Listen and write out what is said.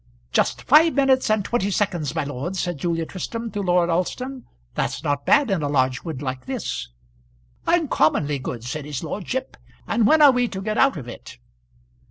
"Just five minutes and twenty seconds, my lord," said Julia Tristram to Lord Alston. "That's not bad in a large wood like this." "Uncommonly good," said his lordship. "And when are we to get out of it?"